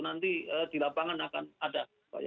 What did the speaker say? nanti di lapangan akan ada